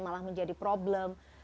malah menjadi problem